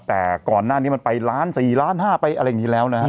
แต่ก่อนหน้านี้มันไปล้าน๔ล้าน๕ไปอะไรอย่างนี้แล้วนะฮะ